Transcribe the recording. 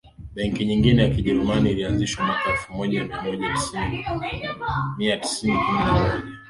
benki nyingine ya kijerumani ilianzishwa mwaka elfu mona mia tisa kumi na moja